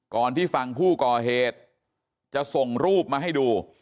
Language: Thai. ก่อนที่ฝั่งผู้ก่อเหตุจะส่งรูปมาให้ดู